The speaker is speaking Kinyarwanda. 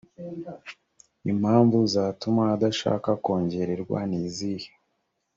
impamvu zatuma adashaka kongererwa nizihe